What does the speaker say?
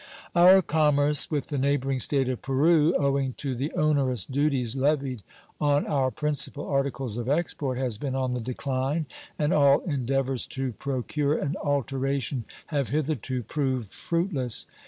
Our commerce with the neighboring State of Peru, owing to the onerous duties levied on our principal articles of export, has been on the decline, and all endeavors to procure an alteration have hitherto proved fruitless.